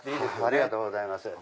ありがとうございます。